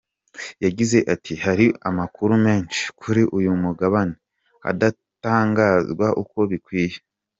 Yagize ati “Hari amakuru menshi kuri uyu mugabane adatangazwa uko bikwiye.